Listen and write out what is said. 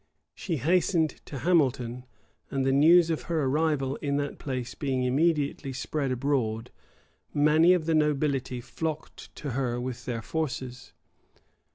She hastened to Hamilton; and the news of her arrival in that place being immediately spread abroad, many of the nobility flocked to her with their forces.